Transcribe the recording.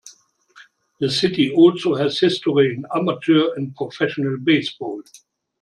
The city also has history in amateur and professional baseball.